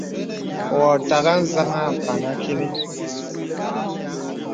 Wɔ̄ ùtàghà anzaŋ àpan àkìlì.